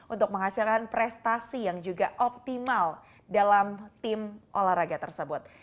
untuk menghasilkan prestasi yang juga optimal dalam tim olahraga tersebut